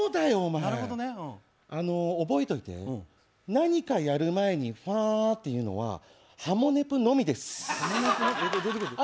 覚えておいて、何かやる前にファーってやるのはハモネプのみです。